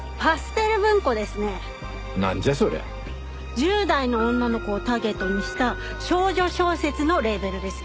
１０代の女の子をターゲットにした少女小説のレーベルですよ。